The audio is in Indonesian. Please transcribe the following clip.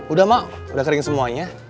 udah mak udah kering semuanya